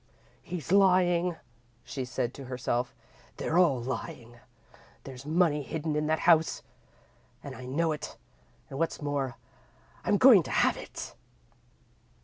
"He's lying," she said to herself, "they're all lying. There's money hidden in that house, and I know it, and what's more, I'm going to have it!"